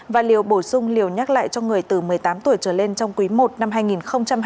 và liều bổ sung liều nhắc lại cho người từ một mươi tám tuổi trở lên trong quý i năm hai nghìn hai mươi bốn